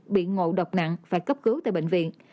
bị ngộ độc nặng phải cấp cứu tại bệnh viện